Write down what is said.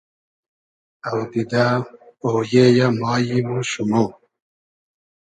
اودیدۂ ، اۉیې یۂ ، مایم و شومۉ